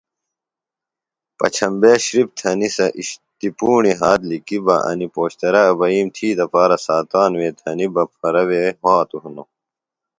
پچھمبے شِرپ تھنیۡ سےۡ اِشتیۡ پُوݨیۡ ہات لِکیۡ بہ انیۡ پوشترہ ابئیم تھی دپارہ ساتانوۡ وے تھنیۡ بہ پھرہ وے وھاتوۡ ہِنوۡ